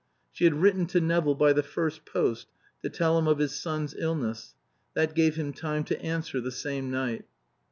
She had written to Nevill by the first post to tell him of his son's illness. That gave him time to answer the same night.